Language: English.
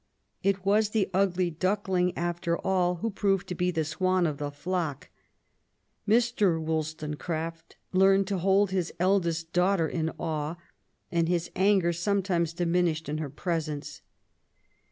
It was the ugly duckling after all who proved to be the swan of the flock. Mr. WoUstonecraft learned to hold his eldest daughter in awe, and his anger sometimes diminished in her presence.